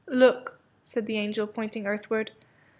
"" Look," said the angel, pointing earth ward.